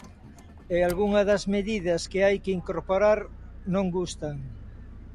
E algunha das medidas que hai que incorporar non gustan.